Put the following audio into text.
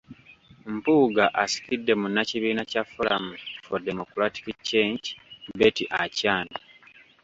Mpuuga asikidde munnakibiina kya Forum for Democratic Change, Betty Achan.